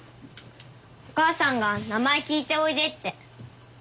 お母さんが名前聞いておいでって。